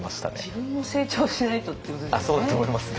自分も成長しないとっていうことですよね。